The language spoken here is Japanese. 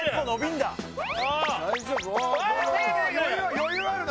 余裕あるな！